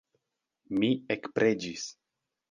Mi ekpreĝis.